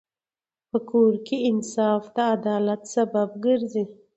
په کور کې انصاف د عدالت سبب ګرځي.